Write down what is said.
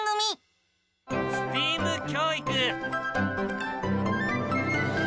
ＳＴＥＡＭ教育。